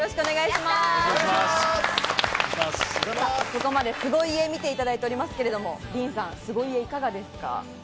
ここまで凄家見ていただいておりますがディーンさん凄家いかがですか？